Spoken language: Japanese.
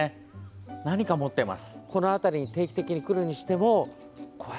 何かを持っています。